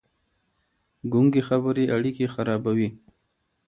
ګونګې خبرې اړيکې خرابوي.